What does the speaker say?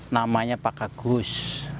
namanya pak agus